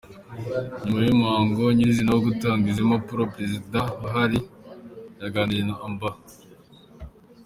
Nyuma y’umuhango nyir’izina wo gutanga izo mpapuro, Perezida Buhari yaganiriye na Amb.